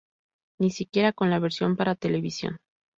Ni siquiera con la versión para televisión".